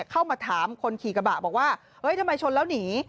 เข้ามาถามคนขี่กระบะบอกว่าเฮ้ยทำไมชนแล้วหนี